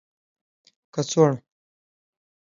کڅوړه